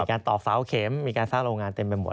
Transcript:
ต่อเสาเข็มมีการสร้างโรงงานเต็มไปหมด